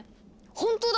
本当だ！